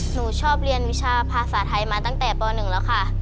หนูชอบเรียนวิชาภาษาไทยมาตั้งแต่ป๑แล้วค่ะ